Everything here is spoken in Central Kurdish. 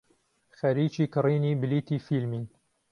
خەریکی کڕینی بلیتی فیلمین.